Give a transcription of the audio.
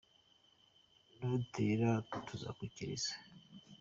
Nutera tuzakwikiriza